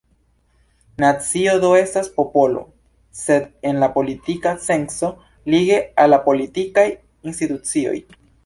Nacio do estas popolo, sed en la politika senco, lige al la politikaj institucioj.